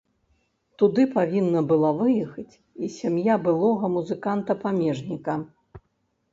Туды павінна была выехаць і сям'я былога музыканта-памежніка.